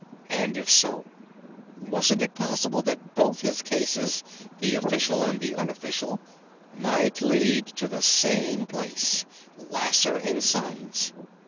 And, if so, wasn't it possible that both his cases the official and the unofficial might lead to the same place: Lasser & Sons?